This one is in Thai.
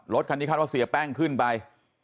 รถคันนี้คาดว่าเสียแป้งขึ้นไป